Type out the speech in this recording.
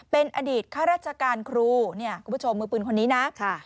เป็นอดีตข้าราชการครูเนี่ยคุณผู้ชมมือปืนคนนี้นะ